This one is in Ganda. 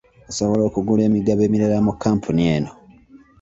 Osobola okugula emigabo emirala mu kkampuni eno.